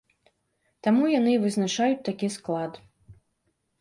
Таму яны і вызначаюць такі склад.